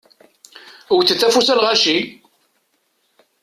Wtet afus, a lɣaci!